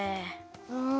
うん。